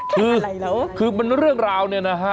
คือมันเรื่องราวเนี่ยนะฮะ